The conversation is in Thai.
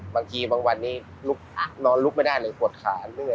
บางทีบางวันนี้นอนลุกไม่ได้เลยปวดขาเรื่อย